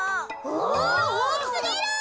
おおきすぎる！